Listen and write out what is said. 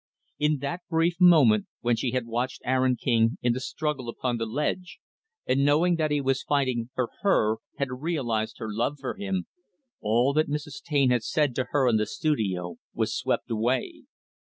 In that brief moment when she had watched Aaron King in the struggle upon the ledge, and, knowing that he was fighting for her, had realized her love for him, all that Mrs. Taine had said to her in the studio was swept away.